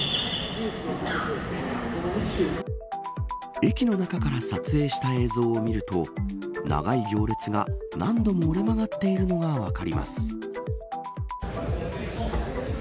駅の中から撮影した映像を見ると長い行列が、何度も折れ曲がっているのが分かります。